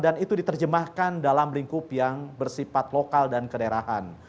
dan itu diterjemahkan dalam lingkup yang bersifat lokal dan kederahan